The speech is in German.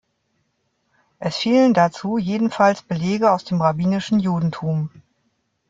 Es fehlen dazu jedenfalls Belege aus dem rabbinischen Judentum.